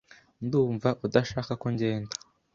Ndumva udashaka ko ngenda .